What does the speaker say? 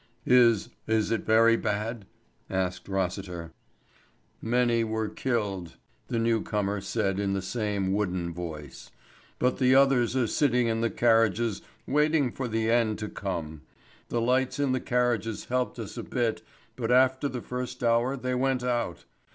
"Is is it very bad?" asked Rossiter. "Many were killed," the new comer said in the same wooden voice. "But the others are sitting in the carriages waiting for the end to come. The lights in the carriages helped us a bit, but after the first hour they went out.